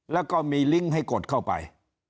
แล้วก็มีลิงก์ให้กดเข้าไป